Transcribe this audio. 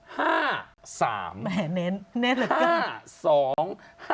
แหมเน้นเน้นเหลือกัน